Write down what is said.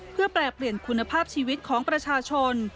เพื่อแปรเปลี่ยนคุณภาพชีวิตของประชาชน